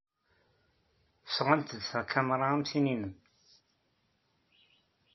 Sɣant-d takamra am tin-nnem.